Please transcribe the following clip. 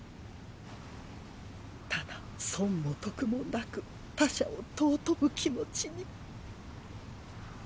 ただ損も得もなく他者を尊ぶ気持ちに。